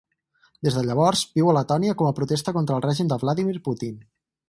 Des de llavors, viu a Letònia com a protesta contra el règim de Vladímir Putin.